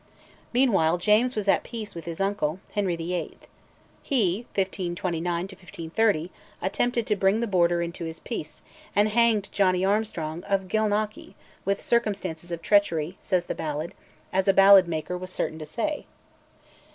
Meanwhile James was at peace with his uncle, Henry VIII. He (1529 1530) attempted to bring the Border into his peace, and hanged Johnnie Armstrong of Gilnockie, with circumstances of treachery, says the ballad, as a ballad maker was certain to say.